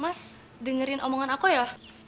mas dengerin omongan aku ya